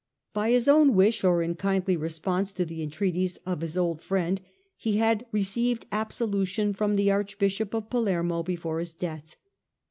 z By his own wish, or in kindly response to the entreaties of his old friend, he had received absolution from the Archbishop of Palermo before his death.